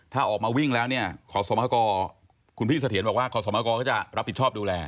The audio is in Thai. ถ้าออกมาวิ่งแล้วเนี่ยขอสมกรคุณพี่เสถียรบอกว่าขอสมกรเขาจะรับผิดชอบดูแล